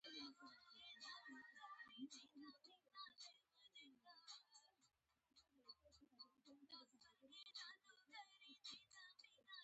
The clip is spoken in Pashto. دا د رومیانو سټایل نیم سرکلر لوبغالی دی.